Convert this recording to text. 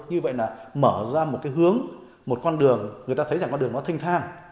như vậy là mở ra một cái hướng một con đường người ta thấy rằng con đường nó thinh thang